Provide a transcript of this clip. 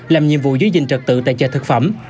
làm nhiệm vụ giới dình trật tự tại chợ thực phẩm